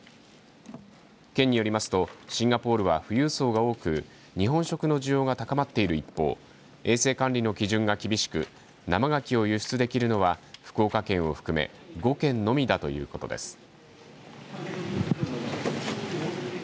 県によりますと、シンガポールは富裕層が多く日本食の需要が高まっている一方衛生管理の基準が厳しく生がきを輸出できるのは福岡県を含め５県のみだということです。